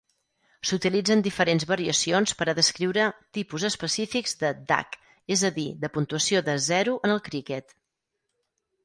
S'utilitzen diferents variacions per a descriure tipus específics de "duck", és a dir, de puntuació de zero en el criquet.